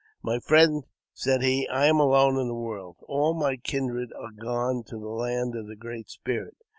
" My friend," said he, *' I am alone in the world : all my kindred are gone to the land of the Great Spirit.